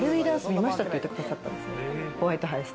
見ましたって言ってくださったんです。